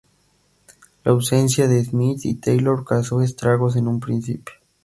La ausencia de Simms y Taylor causó estragos en un principio.